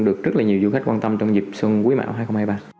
được rất là nhiều du khách quan tâm trong dịp xuân quý mão hai nghìn hai mươi ba